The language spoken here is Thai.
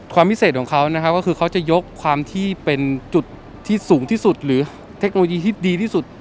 พิเศษของเขานะครับก็คือเขาจะยกความที่เป็นจุดที่สูงที่สุดหรือเทคโนโลยีที่ดีที่สุด